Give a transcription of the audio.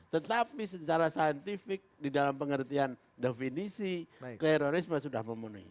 tetapi secara saintifik di dalam pengertian definisi terorisme sudah memenuhi